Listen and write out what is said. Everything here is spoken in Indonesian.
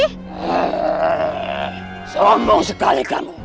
heeeeh sombong sekali kamu